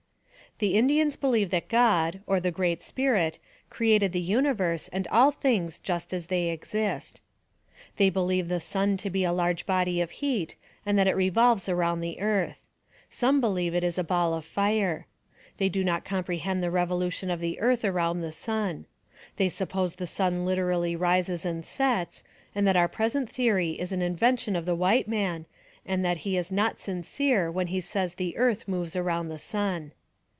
The Indians believe that God, or the Great Spirit, created the universe and all things just as they exist. They believe the sun to be a large body of heat, and that it revolves around the earth. Some believe it is a ball of fire. They do not comprehend the revolution of the earth around the sun. They suppose the sun 182 NARRATIVE OF CAPTIVITY literally rises and sets, and that our present theory is an invention of the white man, and that he is not sin cere when he says the earth moves around the sun.